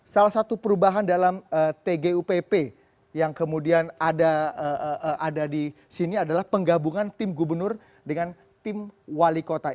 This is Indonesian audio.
salah satu perubahan dalam tgupp yang kemudian ada di sini adalah penggabungan tim gubernur dengan tim wali kota